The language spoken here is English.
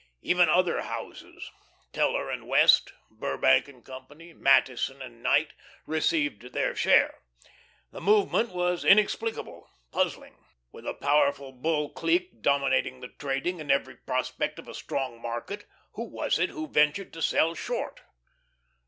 Even other houses Teller and West, Burbank & Co., Mattieson and Knight received their share. The movement was inexplicable, puzzling. With a powerful Bull clique dominating the trading and every prospect of a strong market, who was it who ventured to sell short?